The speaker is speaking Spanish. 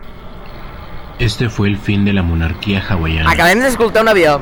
Este fue el fin de la monarquía hawaiana.